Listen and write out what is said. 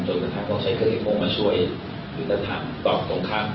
จนกระทั่งต้องใช้เครื่องเล็กโมงมาช่วยหรือถามตอบตรงข้าง